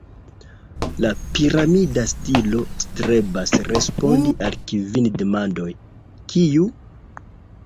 La piramida stilo strebas respondi al la kvin demandoj: Kiu?